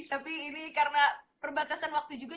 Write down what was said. tapi ini karena perbatasan waktu juga